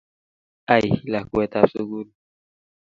Ai lakwet tab sugul